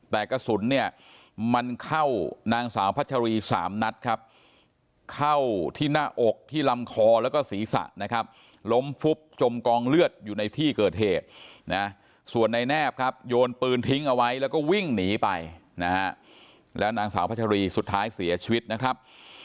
แต่กระสุนเนี่ยมันเข้านางสาวพัชรี๓นัดครับเข้าที่หน้าอกที่ลำคอแล้วก็ศีรษะนะครับล้มฟุบจมกองเลือดอยู่ในที่เกิดเหตุนะส่วนในแนบครับโยนปืนทิ้งเอาไว้แล้วก็วิ่งหนีไปนะฮะแล้วนางสาวพัชรีสุดท้ายเสียชีวิตนะครับ